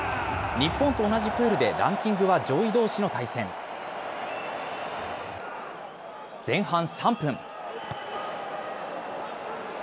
日本と同じプールで、ランキングは上位どうしの対戦。前半３分。